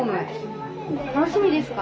楽しみですか？